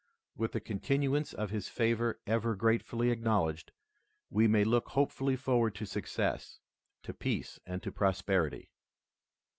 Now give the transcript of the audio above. With the continuance of his favor ever gratefully acknowledged we may look hopefully forward to success, to peace and to prosperity."